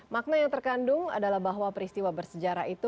makna yang terkandung adalah bahwa peristiwa bersejarah itu